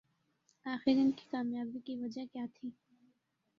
آخر ان کی کامیابی کی وجہ کیا تھی